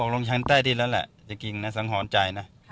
ขอยืมอีกแล้วบอกให้รอตอนนั้น